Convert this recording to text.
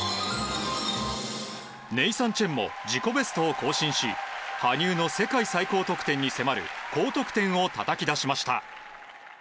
ネイサン・チェンも自己ベストを更新し羽生の世界最高得点に迫る高得点をたたき出しました。